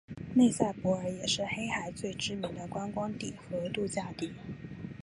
内塞伯尔也是黑海最知名的观光地和度假地。